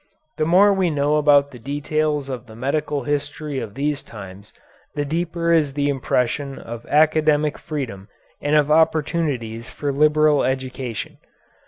The more we know about the details of the medical history of these times the deeper is the impression of academic freedom and of opportunities for liberal education.